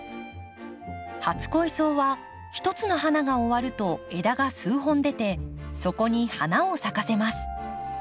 初恋草は一つの花が終わると枝が数本出てそこに花を咲かせます。